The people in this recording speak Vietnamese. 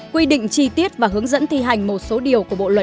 quy định chi tiết và hướng dẫn thi hành một số điều của bộ luật